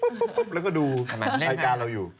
นางอาจจะเล่นเลยแล้วก็ดูรายการเราอยู่